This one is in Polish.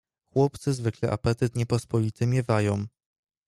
"Chłopcy zwykle apetyt niepospolity miewają."